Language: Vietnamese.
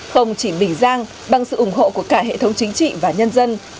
không chỉ bình giang bằng sự ủng hộ của cả hệ thống chính trị và nhân dân